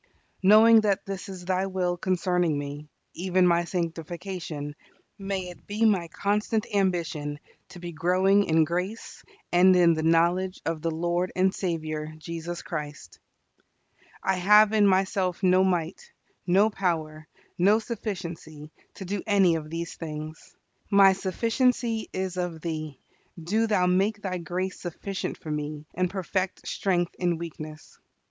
Knowing that this is Thy will concerning me, even my sanctification, may it be my constant ambition to be growing in grace and in the knowledge of the Lord and Saviour Jesus Christ. I have in myself no might, no power, no sufficiency, to do any of these things. My sufficiency is of Thee. Do Thou make Thy grace sufficient for me, and perfect strength in weakness.